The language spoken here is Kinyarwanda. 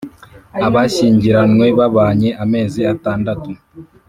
abashyingiranywe babanye amezi atandatu